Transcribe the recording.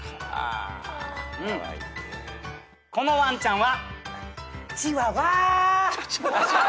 このワンちゃんは。